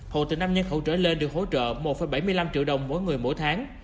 hộ từ năm nhân khẩu trở lên được hỗ trợ một bảy mươi năm triệu đồng mỗi người mỗi tháng